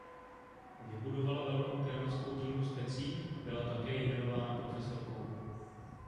Vybudovala velkou keramickou dílnu s pecí a byla také jmenována profesorkou.